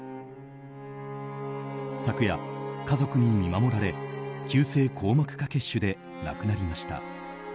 昨夜、家族に見守られ急性硬膜下血種で亡くなりました。